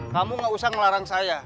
kamu gak usah ngelarang saya